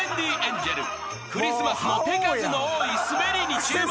［クリスマスの手数の多いスベリに注目］